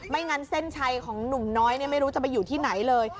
งั้นเส้นชัยของหนุ่มน้อยไม่รู้จะไปอยู่ที่ไหนเลย